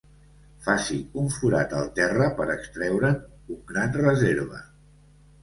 Faci un forat al terra per extreure'n un gran reserva.